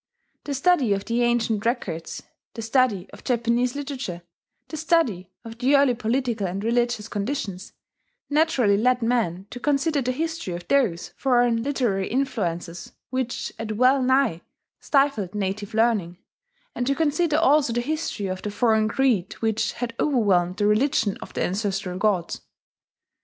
The study of the ancient records, the study of Japanese literature, the study of the early political and religious conditions, naturally led men to consider the history of those foreign literary influences which had well nigh stifled native learning, and to consider also the history of the foreign creed which had overwhelmed the religion of the ancestral gods.